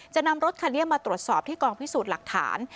จะนำรถคันนี้มาตรวจสอบที่กองพิสูจน์หลักฐาน